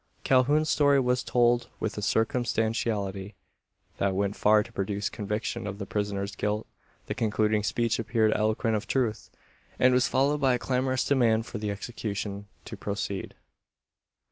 Calhoun's story was told with a circumstantiality, that went far to produce conviction of the prisoner's guilt. The concluding speech appeared eloquent of truth, and was followed by a clamourous demand for the execution to proceed.